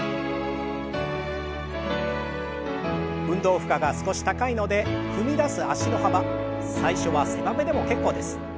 運動負荷が少し高いので踏み出す脚の幅最初は狭めでも結構です。